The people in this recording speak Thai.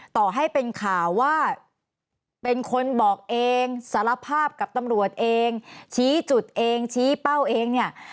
ต่อให้เป็นข่าวว่าเป็นคนบอกเองสารภาพกับตำรวจเองชี้จุดเองชี้เป้าเองเนี่ย